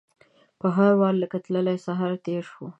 په هر واري لکه تللی سهار تیر شو